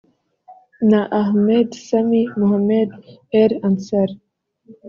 na Ahemd Samy Mohamed El-Ansary